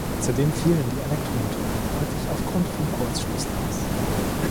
Zudem fielen die Elektromotoren häufig aufgrund von Kurzschlüssen aus.